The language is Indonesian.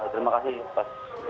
terima kasih pak